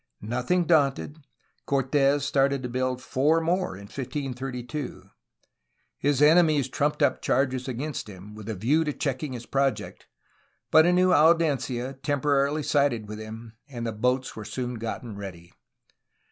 Noth ing daunted, Cort6s started to build four more in 1532. His enemies trumped up charges against him, with a view to checking his project, but a new audiencia temporarily sided with him, and the boats were soon gotten ready.